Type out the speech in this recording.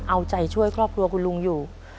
เอาใจช่วยครอบครัวคุณลุงอยู่